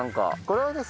これはね